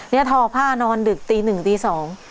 นี่ทอพ่านอนดึกตีนึงตีสอง